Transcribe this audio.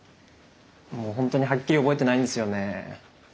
もう本当にはっきり覚えてないんですよね。